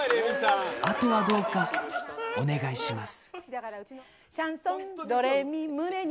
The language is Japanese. あとはどうか、お願いします。